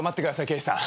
刑事さん。